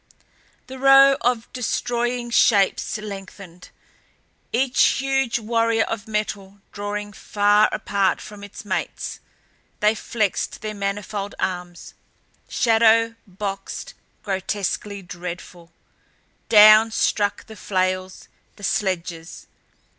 The row of destroying shapes lengthened, each huge warrior of metal drawing far apart from its mates. They flexed their manifold arms, shadow boxed grotesquely, dreadfully. Down struck the flails, the sledges.